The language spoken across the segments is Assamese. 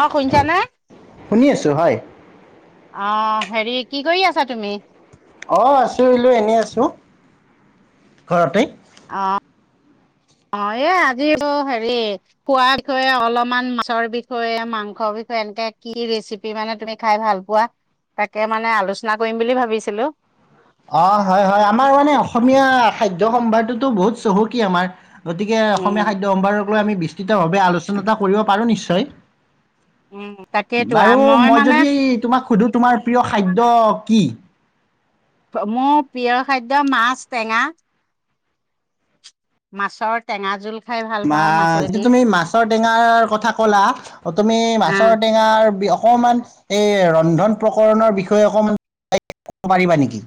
অ শুইন শুনিছানে শুনি আছোঁ হয় অ হেৰি কি কৰি আছা তুমি? অ আছো আৰু এনেই আছো ঘৰতেই। অ অ এই আজি টো হেৰি খোৱাৰ বিষয়ে অলপমান মাছৰ বিষয়ে মাংসৰ বিষয়ে এনেকে কি ৰেচিপি মানে তুমি খাই ভাল পোৱা তাকে মানে আলোচনা কৰিম বুলি ভাবিছিলো। অ হয় হয় আমাৰ মানে অসমীয়া খাদ্য সম্ভান্ত তো বহুত চহকী আমাৰ। গতিকে উম অসমীয়া খাদ্য সম্ভাৰ। আমি বিছ তিতভাবে আলোচনা এটা কৰিব পাৰো নিশ্চ- তই উম তাকেইতো আ বাৰু মই মানে যদি তোমাক শুধো? তোমাৰ প্ৰিয় খাদ্য কি? মোৰ প্ৰিয় খাদ্য মাছ টেঙা। মাছৰ টেঙা জোল। খাই ভাল পাওঁ মাছ মাছেদি তুমি মাছৰ টেঙাৰ কথা ক'লা তুমি অ মাছৰ টেঙাৰ বিষ অস- অকণমান এই ৰন্ধন প্ৰকৰণৰ বিষয়ে অকণমান ক'ব পাৰিবা নেকি?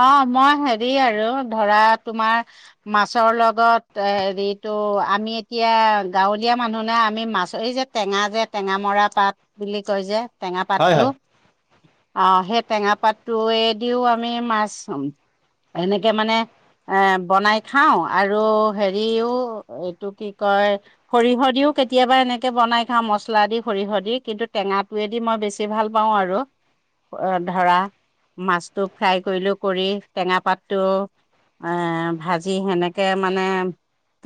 অ মই হেৰি আৰু ধৰা তোমাৰ মাছৰ লগত হেৰিটো আমি এতিয়া গাঁৱলীয়া মানুহ না আমি মাছ এই যে টেঙা যে টেঙা মৰা পাত বুলি কয় যে। টেঙা হয় পাতটো। হয় অ সেই টেঙা পাতটোৱে দিও আক আমি মাছ এনেকে মানে এ বনাই খাওঁ আৰু হেৰিও এইটো কি কয় সৰিয়হ দিও কেতিয়াবা এনেকে বনাই খাওঁ মছলা দি সৰিয়হ দি কিন্তু টেঙা টোৱেদি মই বেছি ভাল পাওঁ আৰু ধৰা মাছ। টো ফ্ৰাই কৰিলো কৰি টেঙা পাতটো এ ভাজি সেনেকে মানে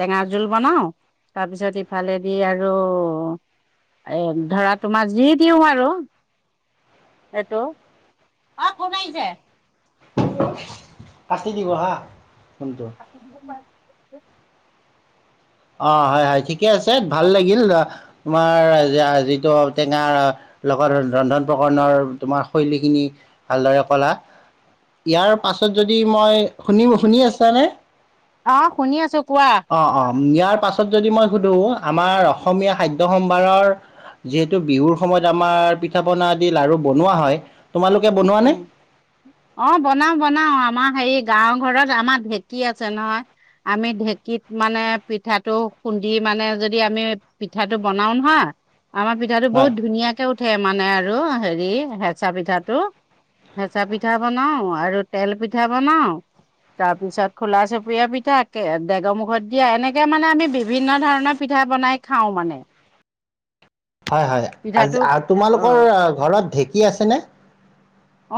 টেঙা জোল বনাও তাৰপিছত ইফালেদি আৰু এ ধৰা তোমাৰ যি দিওঁ হয় আৰু সেইটো, অ কোন আহিছে? পাচি দি বহা। [unintelligible] [unintelligible] অ হয় হয় ঠিকে আছে ভাল লাগিল। তোমাৰ যিটো টেঙাৰ লগত ৰন্ধন প্ৰকৰণৰ তোমাৰ শৈলীখিনি ভালদৰে কলা। ইয়াৰ পাছত যদি মই শুনিম শুনি আছানে? অ শুনি আছো কোৱা? অ অ ইয়াৰ পাছত যদি মই শুধো আমাৰ অসমীয়া খাদ্য সম্ভাৰৰ, যিহেতু বিহুৰ সময়ত আমাৰ পিঠা পনা আদি লাাৰু বনোৱা হয়। তোমালোকে বনোৱানে উম অ বনাও বনাও আমাৰ হেৰি গাঁও ঘৰত আমাৰ ঢেঁকী আছে নহয় আমি ঢেঁকীত মানে পিঠাটো খুন্দি মানে, যদি আমি পিঠাটো বনাও নহয়। আমাৰ পিঠাটো হয় বহুত ধুনীয়াকে উঠে। মানে আৰু হেৰি হেঁচা পিঠাটো হেঁচা পিঠা বনাও আৰু তেল পিঠা বনাওঁ তাৰপিছত খোলা চপুৰীয়া পিঠা ডেগৰমুখত দিয়া এনেকে মানে আমি বিভিন্ন ধৰণৰ পিঠা বনাই খাওঁ মানে। হয় হয় পিঠাটো আ অ তোমালোকৰ ঘৰত ঢেক। সি আছেনে?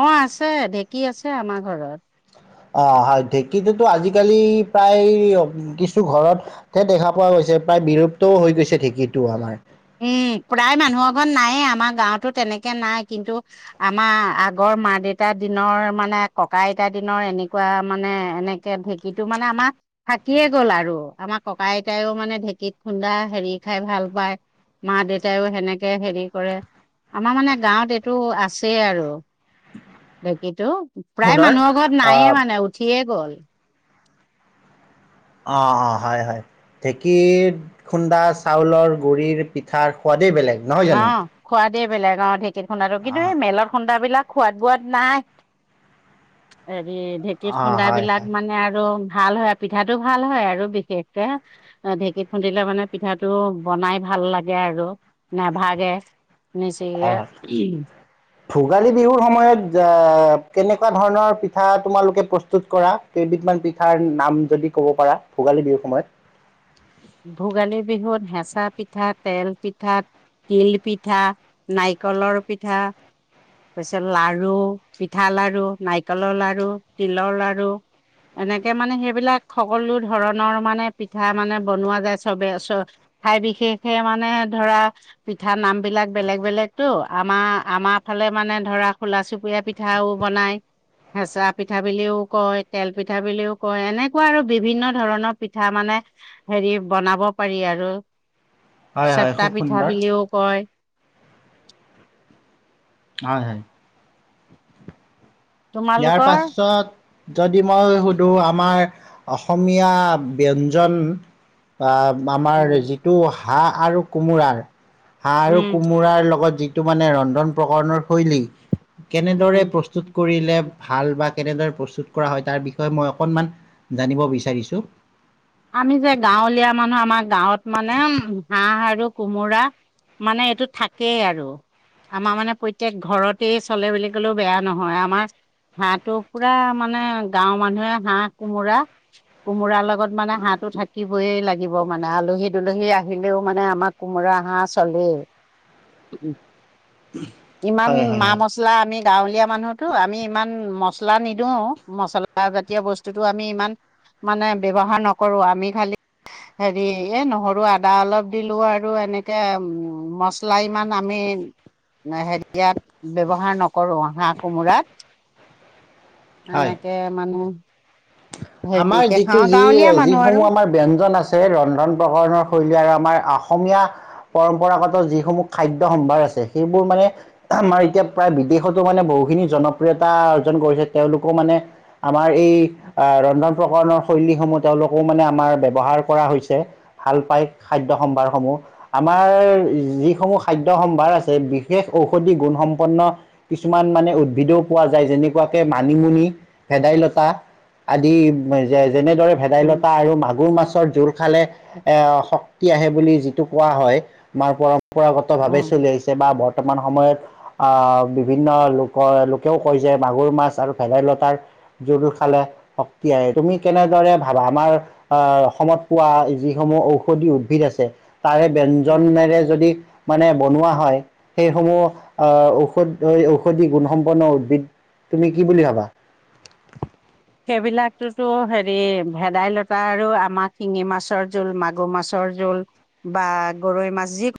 অঁ, আছে ঢেঁকী আছে আমাৰ ঘৰত। অঁ হয় ঢেঁকীটোতো আজিকালি প্ৰায় কিছু ঘৰতহে দেখা পোৱা গৈছে। প্ৰায় বিলুপ্ত হৈ গৈছে ঢেঁকীটো আমাৰ। উম প্ৰায় মানুহৰ ঘৰত নায়ে আমাৰ গাঁৱতো তেনেকে নাই কিন্তু আমাৰ আগৰ মা দেউতাৰ দিনৰ মানে ককা আইতাৰ দিনৰ এনেকুৱা মানে এনেকে ঢেঁকীটো মানে আমাৰ থাকিয়ে গ'ল আৰু আমাৰ ককা আইতায়ও মানে ঢেঁকীত খুন্দা হেৰি খাই ভাল পায়। মা দেউতাইও সেনেকে হেৰি কৰে আমাৰ মানে গাঁৱত এইটো আছেই আৰু ঢেঁকীটো প্ৰায় খুন্দৰ মানুহৰ ঘৰত নায়য়ে আহ মানে উঠিয়ে। গল। অঁ অঁ, হয় হয় ঢেঁকীৰ খুন্দা চাউলৰ গুৰিৰ পিঠাৰ সোৱাদেই বেলেগ। নহয় জানো অঁ, খোৱাত ধেই বেলেগাঁৱত ঢেকী। তেত খুন্দাটো আৰু অ কিন্তু এই মেলৰ খুন্দা বিলাক। খোৱাদ বোৱাত নাই এ। এই ঢেঁকীত অ খুন্দা হয় বিলাক হয় মানে আৰু। ভাল হয়, পিঠাটো ভাল হয় আৰু বিশেষকে ঢেঁকীত খুন্দিলে মানে পিঠাটো বনাই ভাল লাগে আৰু। নাভাগে। নিচিগে হয় হয় উম। ভোগালী বিহুৰ সময়ত কেনেকুৱা ধৰণৰ পিঠা তোমালোকে প্ৰস্তুত কৰা। কেইবিধমান পিঠাৰ নাম যদি কব পাৰা ভোগালী বিহুৰ সময়ত। ভোগালী বিহুত হেঁচা পিঠা তেল, পিঠা, তিল পিঠা, নাৰিকলৰ পিঠা তাৰ পিছত লাৰু পিঠা লাৰু, নাৰিকলৰ লাৰু, তিলৰ লাৰু এনেকে মানে সেইবিলাক সকলো ধৰণৰ মানে পিঠা মানে। বনোৱা যায় চবে চ ঠাই বিশেষে মানে ধৰা পিঠা নাম বিলাক বেলেগ বেলেগতো, আমাৰ আমাৰ ফালে মানে ধৰা খোলা চুবুৰীয়া পিঠাও বনাই হেচা পিঠা বুলিও কয় তেল পিঠা বুলিও কয়, এনেকুৱা আৰু বিভিন্ন ধৰণৰ পিঠা মানে। হেৰি বনাব পাৰি আৰু। হয় হয় চেপটা খুব পিঠা সুন্দৰ বুলিও কয় হয় হয়। ইয়াৰ তোমালোকৰ পাছত। যদি মই সুধো আমাৰ অসমীয়া ব্যঞ্জন বা। আমাৰ উম যিটো হা। হাঁহ আৰু কোমোৰাৰ। হাঁহ আৰু কোমোৰাৰ লগত যি। টো মানে ৰন্ধন প্ৰকৰণৰ শৈলী। কেনেদৰে উম উম প্ৰস্তুত কৰিলে। ভাল বা কেনেদৰে প্ৰস্তুত কৰা হয় তাৰ বিষয়ে মই অকনমান জানিব বিচাৰিছো। আমি যে গাঁৱলীয়া মানুহ আমাৰ গাঁৱত মানে ম। হাঁহ আৰু কোমোৰা মানে এইটো থাকেই আৰু আমাৰ মানে প্ৰত্যেক ঘৰতেই চলে বুলি ক'লেও বেয়া নহয় আমাৰ হাঁহটো পুৰা মানে গাঁওৰ মানুহে হাঁহ কোমোৰা কোমোৰাৰ লগত। মানে হাঁহটো থাকিবয়ে লাগিব মানে আলহী -দুলহী আহিলেও মানে আমাৰ কোমোৰা হাঁহ চলেই। ইমান হয় হয় মা- হয় মছলা আমি গাঁৱলীয়া। মানুহ তো আমি ইমান মছলা নিদো মছলা জাতীয় বস্তুটো আমি ইমান মানে ব্যৱহা। ৰ নকৰো আমি খালি হেৰি এই নহৰু আদা অলপ দিলোঁ আৰু এনেকে মছলা ইমান আমি হেৰি ইয়াত ব্যৱহাৰ নকৰো হাঁহ কোমোৰাত হয় এনেকে মানুহ হেভিকে খাওঁ। ই গাঁৱলীয়া মানুহ আৰু যিসমূহ আমাৰ ব্যঞ্জন আছে ৰন্ধন প্ৰকৰৰণৰ শৈলী আৰু আমাৰ অসমীয়া য়া পৰম্পৰাগত যিসমূহ খাদ্য সম্ভাৰ আছে সেইবোৰ মানে আমাৰ এতিয়া প্ৰায় বিদেশতো মানে বহুখিনি জনপ্ৰিয়তা অৰ্জন কৰিছে তেওঁলোকো মানে আমাৰ এই অহ ৰন্ধন প্ৰকৰণৰ শৈলীসমূহ তেওঁলোকো মানে আমাৰ ব্যৱহাৰ কৰা হৈছে, ভাল পাই খাদ্য সম্ভাৰসমূহ আমাৰ যিসমূহ খাদ্য সম্ভাৰ আছে বিশেষ ঔষধি গুণসম্পন্ন কিছুমান মানে উদ্ভিদও পোৱা যায় যেনেকোৱাকে মানিমুনি, ভেদাইলতা, আদি যে যেনেদৰে উম ভেদাইলতা আৰু মাগুৰ মাছৰ জোল খালে এ শক্তি আহে বুলি যিটো কোৱা হয় মাৰ পৰা পৰম্পৰাগত ভাৱে উম চলি আহিছে বা বৰ্তমান সময়ত আহ বিভিন্ন লোকৰ লোকেও কয় যে মাগুৰ মাছ আৰু ভেদাইলতাৰ জোল খালে শক্তি আহে তুমি কেনেদৰে ভাৱা আমাৰ আহ অসমত পোৱা যিসমূহ ঔষধি উদ্ভিদ আছে তাৰে উম ব্যঞ্জনেৰে যদি মানে বনোৱা হয় সেইসমূহ অহ ঔষধ ঔষধি গুণসম্পন্ন উদ্ভিদ তুমি কি বুলি ভাবা? সেইবিলাকতোতো হেৰি ভেদাইলতা আৰু আমাক শিঙি মাছৰ জোল মাগুৰ মাছৰ জোল বা গৰৈ মাছ যি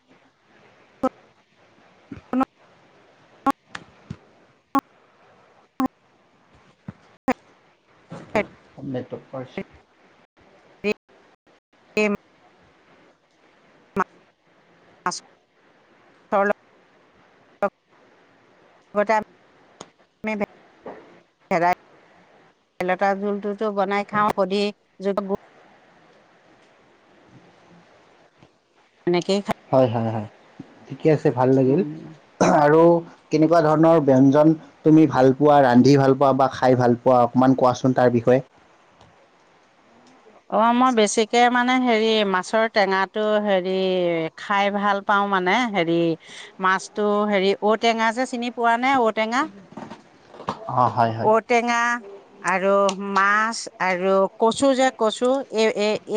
আনেটো পাৰছো এম আছ টা ভ মে বে [unintelligible] ভেদাই লতা জোলটোত বনাই খাওঁ সুধি। [unintelligible] হেনেকে হয় হয় হয়। থিকে আছে ভাল লাগিল উম। আৰু কেনেকুৱা ধৰণৰ ব্যঞ্জন তুমি ভাল পোৱা ৰান্ধি ভাল পোৱা বা খাই ভাল পোৱা অকমান কোৱাচোন তাৰ বিষয়ে। অ মই বেছিকে। মানে হেৰি মাছৰ টেঙাটো হেৰি খাই ভাল পাওঁ মানে হেৰি মাছটো হেৰি ঔটেঙা যে চিনি পোৱা নে ঔটেঙা? অ হয় হয় ঔটেঙা, আৰু মাছ আৰু কচু যে কচু এই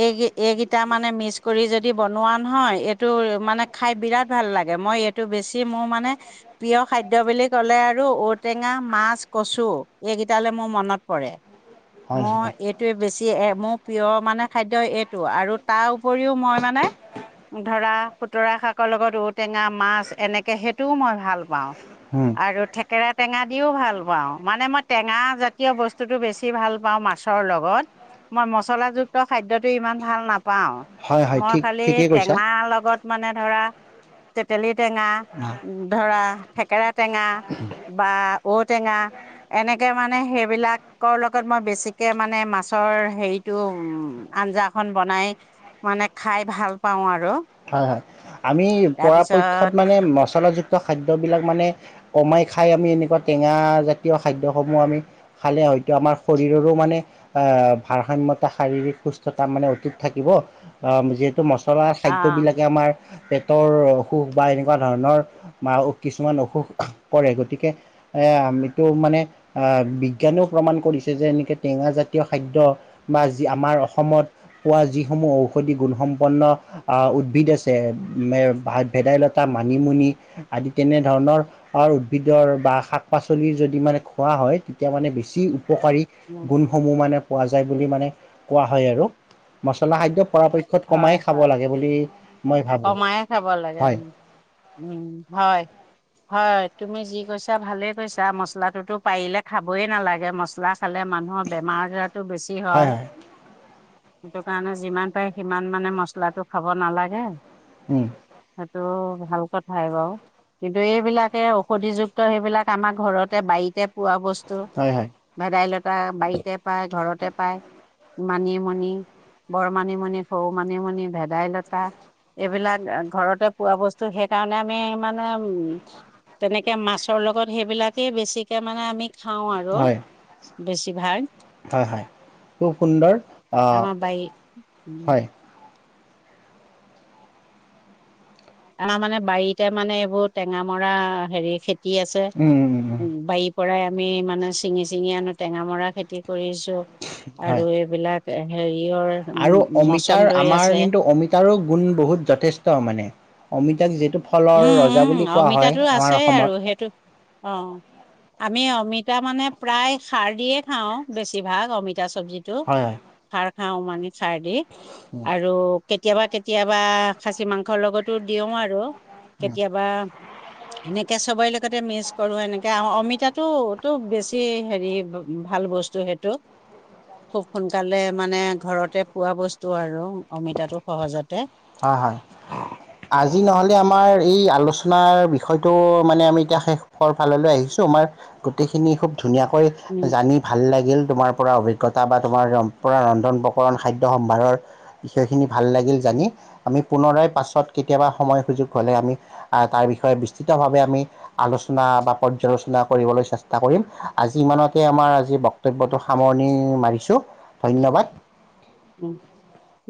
এই এইকেইটা মানে মিক্স কৰি যদি বনোৱা নহয় এইটো মানে খাই বিৰাট ভাল লাগে মই এইটো বেছি মোৰ মানে প্ৰিয় খাদ্য বুলি ক'লে আৰু ঔটেঙা মাছ কচু এইকেইটালৈ মোৰ মনত পৰে। হয় মই এইটোৱে বেছি। দিয়ে এ মোক প্ৰিয় মানে খাদ্য এইটো আৰু তাৰ উপৰিও মই মানে ধৰা খুতুৰা শাকৰ লগত ঔটেঙা মাছ এনেকে সেইটোও মই ভাল পাওঁ। হয় আৰু থেকেৰা টেঙা। দিও ভাল পাওঁ মানে মই টেঙা জাতীয় বস্তুতো বেছি ভাল পাওঁ মাছৰ লগত মই ম। মচলাযুক্ত খাদ্যটো ইমান ভাল নাপা পাও হয় হয় মই ঠিক খালি ঠিকেই টেঙা কৈছা লগত মানে ধৰা। তেটেলি টেঙা ধৰা। থেকেৰা টেঙা বা। ঔটেঙা এনেকে মানে সেইবিলাকৰ লগত মই বেছিকে মানে মাছৰ হেৰিত টো উম আঞ্জা খন বনাই মানে খাই ভাল পাওঁ আৰু হয় হয় আমি পৰাপক্ষত তাৰপিছত মানে মচলাযুক্ত। খাদ্য বিলাক মানে কমাই খায় মানে টেঙা জাতীয় খাদ্য সমূহ আমি খালে হয়তো আমাৰ শৰীৰৰো মানে আ ভাৰসম্যতা শাৰীৰিক সুস্থতা মানে অধিক থাকিব যিহেতু ম চলা খাদ্য। অ' বিলাকে আমাৰ। পেটৰ অসুখ বা এনেকুৱা ধৰণৰ আহ কিছুমান অসুখ কৰে গতিকে এ এইটো মানে আহ বিজ্ঞানেও প্ৰমাণ কৰিছে যে এনেকে টেঙা জাতীয় খাদ্য বা যি আমাৰ অসমত পোৱা যিসমূহ ঔষধি গুণসম্পন্ন উদ্ভিদ আছে। ভেদাইলতা, মানিমুনি আদি তেনেধৰণৰ উদ্ভিদৰ বা শাক পাচলি যদি মানে খোৱা হয় তেতিয়া মানে বেছি। উপকাৰী গুণসমূহ মানে। পোৱা যায় বুলি মানে কোৱা হয় আৰু মছলা খাদ্য। পৰাপক্ষত কমাই হয় খাব হয় লাগে। [unintelligible] কমায়ে খাব লাগে। হয় উম উম। হয়। হয়। তুমি যি কৈছা ভালেই কৈছা মছলাটোতো পাৰিলে খাবই নালাগে মছলা খালে মানুহৰ বেমাৰ আজাৰত টো বেছি হয়। সেইটো কাৰণে যিমান পাৰে সিমান মানে মচলাটো খাব নালাগে। উম ত ভাল কথাই বাৰু কিন্তু এইবিলাকে ঔষধিযুক্ত সেইবিলাক আমাৰ ঘৰতে বাৰীতে পোৱা বস্তু। তু হয় হয় ভেদাইলতা বাৰীতে পায় ঘৰতে পায়। মানিমুনি, বৰ মানিমুনি, সৰু মানিমুনি, ভেদাইলতা এইবিলাক ঘৰতে পোৱা বস্তু সেইকাৰণে আমি মানে উম তেনেকে মাছৰ লগত সেইবিলাকে বেছিকে মানে আমি খাওঁ আৰু। হয় বেছি ভাগ। হয় হয়। খুব সুন্দৰ। অ আমাৰ বাৰী হয়। আমাৰ মানে বাৰীতে মানে এইবোৰ টেঙা মৰা হেৰি খেত তি আছে উম উম উম বাৰীত। কৰাই আমি মানে চিঙি চিঙি আনো টেঙ মৰা খেতি। কৰিছো হয় আৰু এইবিলাক। সেই। আৰু অমিতাৰ আমাৰ কিন্তু অমিতাৰো গুণ বহুত যথেষ্ট মানে। অমিতা নিযে উম উম, অমিতাটো আছেই আৰু। অসমত সেইটো, অ আমি অমিতা মানে প্ৰায় সাৰ দিয়ে খাওঁ। বেছিভাগ অমিতা অমিতা চবজী টো। হয় হয় সাৰ, খাওঁ মানি চাইডি আৰু কেতিয়াবা কেতিয়াবা খাচী মাংসৰ লগতো দিওঁ আৰু কেতিয়াবা সেনেকে চবেই ল মিছ কৰো এনেকে অমিতাটোতো বেছি হেৰি ভাল বস্তু সেইটো। খুব সোনকালে মানে ঘৰতে পোৱা বস্তু আৰু অমিতাটো সহজতে। হয় হয়, আজি নহলে আমাৰ এই আলোচনাৰ বিষয়টো মানে আমি এতিয়া শেষৰ ফাললৈ আহিছো আমাৰ গোটেইখিনি খুব ধুনীয়াকৈ উম জানি ভাল লাগিল তোমাৰ পৰা অভিজ্ঞ অভিজ্ঞতা বা তোমাৰ পৰা ৰন্ধন প্ৰকৰণ খাদ্য সম্ভাৰৰ বিষয়খিনি ভাল লাগিল জানি। আমি পুনৰাই পাছত কেতিয়াবা সময় সুযোগ হলে আমি আহ তাৰ বিষয়ে বিস্তৃত ভাৱে আমি আলোচনা বা পৰ্যালোচনা কৰিবলৈ চেষ্টা কৰিম। আজি ইমানতে আমাৰ আজি বক্তব্যটো সামৰণি মাৰিছো, ধন্যবাদ। উম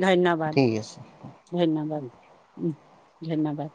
ধন্যবাদ। ঠিক আছে ধন্যবাদ উম ধন্যবাদ।